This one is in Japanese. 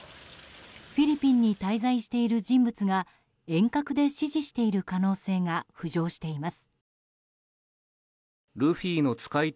フィリピンに滞在している人物が遠隔で指示している可能性が浮上しています。